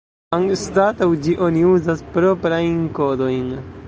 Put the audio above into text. Anstataŭ ĝi oni uzas proprajn kodojn.